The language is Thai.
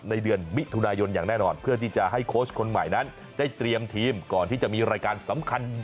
ในเดือนมิถุนายนอย่างแน่นอนเพื่อที่จะให้โค้ชคนใหม่นั้นได้เตรียมทีม